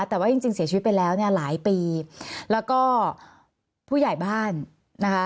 แต่ว่าจริงจริงเสียชีวิตไปแล้วเนี่ยหลายปีแล้วก็ผู้ใหญ่บ้านนะคะ